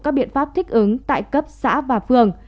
các biện pháp thích ứng tại cấp xã và phường